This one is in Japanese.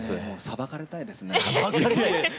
もうさばかれたいですね。